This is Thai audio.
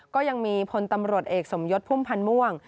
ก็ยังมีพลตำรวจเอกสมยศพุ่มพันธ์ม่วง